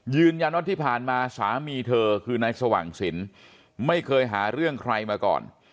ยืนยันว่าที่ผ่านมาสามีเธอคือนายสว่างสินไม่เคยหาเรื่องใครมาก่อน